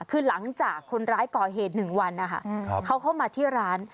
คือหลังจากคนร้ายก่อเหตุ๑วันนะคะเขาเข้ามาที่ร้าน